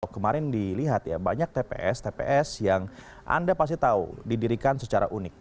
kemarin dilihat ya banyak tps tps yang anda pasti tahu didirikan secara unik